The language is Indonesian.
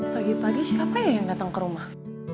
pagi pagi siapa yang datang ke rumah